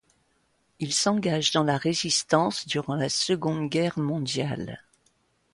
Il s'engage dans la résistance durant la Seconde Guerre mondiale.